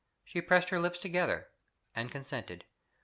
She pressed her lips together and consented.